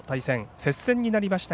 接戦になりました